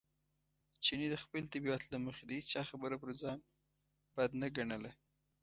چیني د خپلې طبیعت له مخې د هېچا خبره پر ځان بد نه ګڼله.